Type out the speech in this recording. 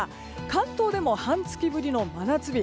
関東でも半月ぶりの真夏日。